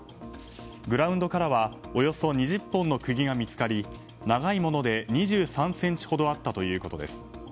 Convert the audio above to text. グラウンドからはおよそ２０本の釘が見つかり長いもので、２３ｃｍほどあったということです。